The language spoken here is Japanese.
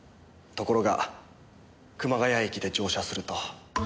ところが熊谷駅で乗車すると。